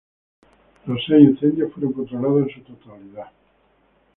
Los seis incendios fueron controlados en su totalidad.